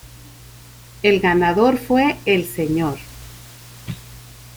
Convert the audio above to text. El ganador fue el Sr.